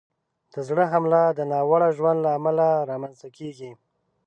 د زړه حمله د ناوړه ژوند له امله رامنځته کېږي.